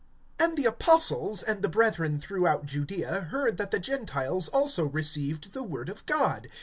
AND the apostles, and the brethren throughout Judaea, heard that the Gentiles also received the word of God.